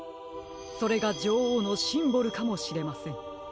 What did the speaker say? それがじょおうのシンボルかもしれません。